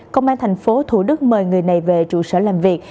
công an thành phố thủ đức mời người này về trụ sở làm việc